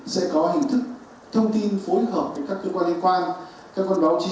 sẽ có hình thức thông tin phối hợp với các cơ quan liên quan các con báo chí